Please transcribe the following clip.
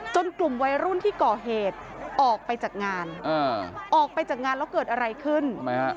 กลุ่มวัยรุ่นที่ก่อเหตุออกไปจากงานออกไปจากงานแล้วเกิดอะไรขึ้นทำไมฮะ